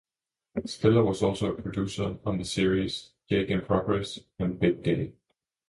Spiller was also a producer on the series "Jake in Progress" and "Big Day".